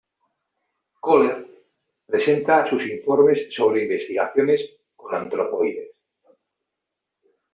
Köhler presenta sus informes sobre investigaciones con antropoides.